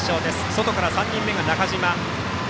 外から３人目が中島。